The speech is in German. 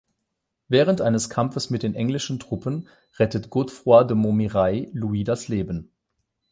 Während eines Kampfes mit den englischen Truppen rettet Godefroy de Montmirail Louis das Leben.